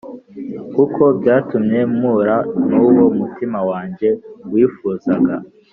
kuko byatumye mpura nuwo umutima wanjye wifuzaga